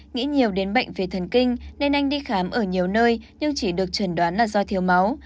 nghĩ nhiều đến bệnh về thần kinh nên anh đi khám ở nhiều nơi nhưng chỉ được chẩn đoán là do thiếu máu